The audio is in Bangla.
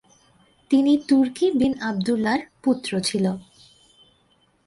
তিনি তুর্কি বিন আবদুল্লাহর পুত্র ছিলে।